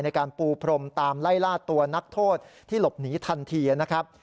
ในการปูพรมตามไล่ล่าตัวนักโทษที่หลบหนีทันทีนะครับ